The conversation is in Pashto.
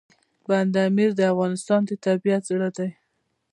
بند امیر د افغانستان د طبیعت زړه دی.